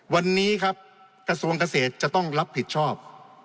วันนี้ครับกระทรวงเกษตรจะต้องรับผิดชอบ